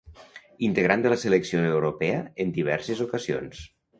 Integrant de la Selecció Europea en diverses ocasions.